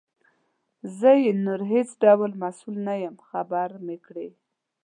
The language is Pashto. زه یې نور هیڅ ډول مسؤل نه یم خبر مي کړې.